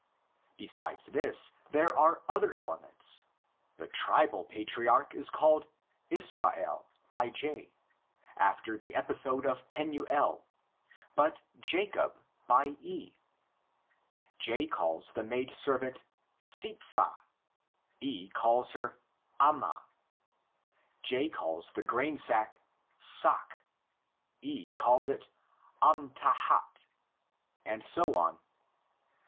Besides this there are other elements: the tribal patriarch is called "Israel" by J after the episode of Penuel, but "Jacob" by E; J calls the maid servant "|ipha, E calls her " 'ama," J calls the grainsack "saq," E calls it " 'amtahat," and so on.